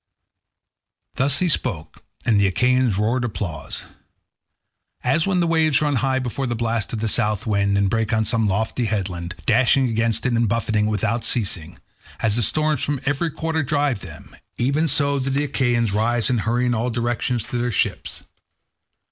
Thus he spoke, and the Achaeans roared applause. As when the waves run high before the blast of the south wind and break on some lofty headland, dashing against it and buffeting it without ceasing, as the storms from every quarter drive them, even so did the Achaeans rise and hurry in all directions to their ships.